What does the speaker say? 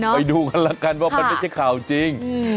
ไปดูกันแล้วกันว่ามันไม่ใช่ข่าวจริง